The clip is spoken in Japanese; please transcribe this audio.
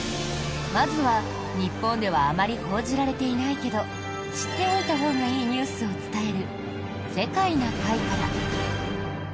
まずは日本ではあまり報じられていないけど知っておいたほうがいいニュースを伝える「世界な会」から。